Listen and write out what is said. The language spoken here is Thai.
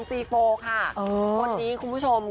พี่ใกล้พิมพ์จีโฟ